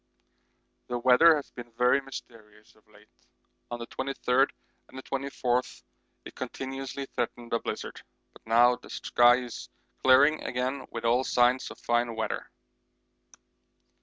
The weather has been very mysterious of late; on the 23rd and 24th it continuously threatened a blizzard, but now the sky is clearing again with all signs of fine weather.